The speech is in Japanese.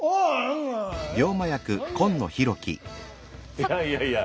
いやいやいや。